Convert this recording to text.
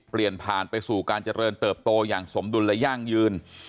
เปลี่ยนผ่านไปสู่การเจริญเติบโตอย่างสมดุลและยั่งยืน